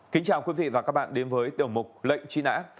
kính chào quý vị và các bạn đến với điều một lệnh chuyên án